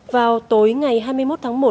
vào tối ngày hai mươi một tháng một